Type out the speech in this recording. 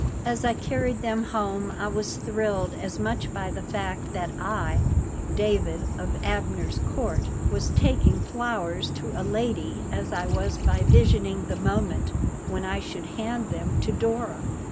As I carried them home I was thrilled as much by the fact that I, David of Abner's Court, was taking flowers to a lady as I was by visioning the moment when I should hand them to Dora.